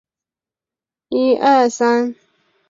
拉戈人口变化图示